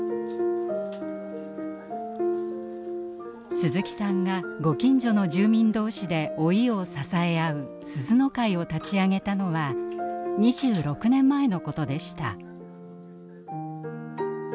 鈴木さんがご近所の住民同士で老いを支え合うすずの会を立ち上げたのは２６年前のことでした。